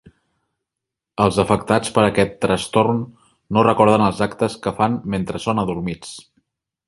Els afectats per aquest trastorn no recorden els actes que fan mentre són adormits.